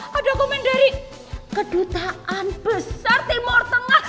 hah ada komen dari kedutaan besar timur tengah